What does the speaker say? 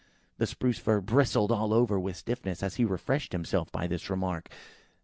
The Spruce fir bristled all over with stiffness, as he refreshed himself by this remark.